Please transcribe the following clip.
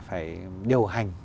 phải điều hành